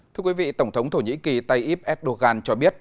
thưa quý vị tổng thống thổ nhĩ kỳ tây íp erdogan cho biết